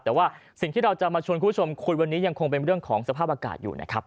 แต่ว่าสิ่งที่เราจะมาชวนคุณผู้ชมคุยวันนี้ยังคงเป็นเรื่องของสภาพอากาศอยู่นะครับ